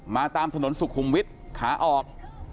ตามถนนสุขุมวิทย์ขาออก